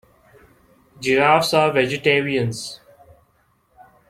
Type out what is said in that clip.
Giraffes are vegetarians.